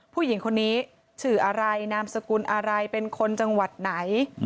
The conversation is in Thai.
ผู้หญิงคนนี้ชื่ออะไรนามสกุลอะไรเป็นคนจังหวัดไหน